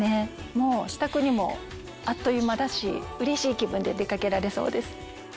もう支度にもあっという間だしうれしい気分で出かけられそうです。